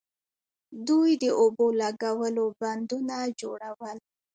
دوی د اوبو لګولو بندونه جوړول